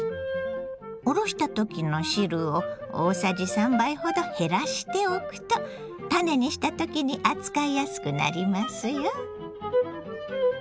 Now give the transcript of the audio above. おろした時の汁を大さじ３杯ほど減らしておくとたねにした時に扱いやすくなりますよ。